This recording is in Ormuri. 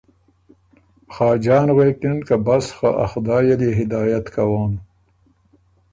خاجان ال غوېکِن که ”بس خه ا خدایٛ ال يې هدایت کوون۔